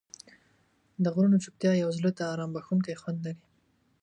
د غرونو چوپتیا یو زړه ته آرام بښونکی خوند لري.